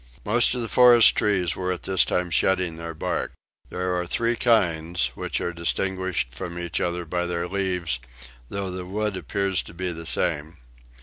Most of the forest trees were at this time shedding their bark. There are three kinds, which are distinguished from each other by their leaves, though the wood appears to be the same.